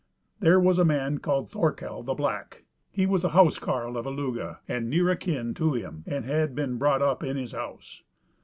There was a man called Thorkel the Black; he was a house carle of Illugi, and near akin to him, and had been brought up in his house.